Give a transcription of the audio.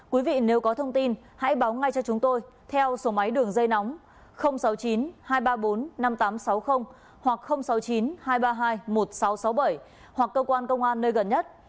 quý vị nếu có thông tin hãy báo ngay cho chúng tôi theo số máy đường dây nóng sáu mươi chín hai trăm ba mươi bốn năm nghìn tám trăm sáu mươi hoặc sáu mươi chín hai trăm ba mươi hai một nghìn sáu trăm sáu mươi bảy hoặc cơ quan công an nơi gần nhất